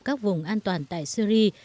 các vùng an toàn tại syria